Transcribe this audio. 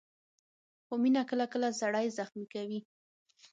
خو مینه کله کله سړی زخمي کوي.